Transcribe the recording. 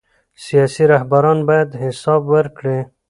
سیاسي رهبران باید حساب ورکړي